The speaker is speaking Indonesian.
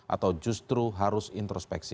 atau justru harus introspeksi